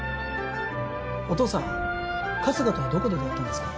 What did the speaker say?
お父さん春日とはどこで出会ったんですか？